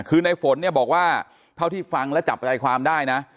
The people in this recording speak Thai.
คือในฝนเนี่ยบอกว่าเท่าที่ฟังแล้วจับใจความได้นะ